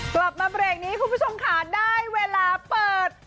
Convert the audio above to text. กลับมาเบรกนี้คุณผู้ชมค่ะได้เวลาเปิด